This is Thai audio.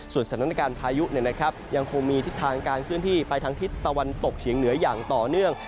สถานการณ์พายุยังคงมีทิศทางการเคลื่อนที่ไปทางทิศตะวันตกเฉียงเหนืออย่างต่อเนื่อง